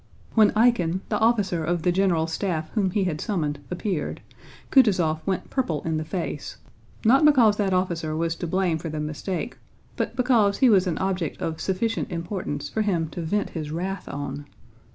When Eýkhen, the officer of the general staff whom he had summoned, appeared, Kutúzov went purple in the face, not because that officer was to blame for the mistake, but because he was an object of sufficient importance for him to vent his wrath on.